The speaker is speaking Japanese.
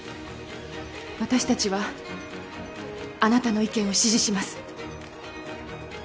私たちはあなたの意見を支持します。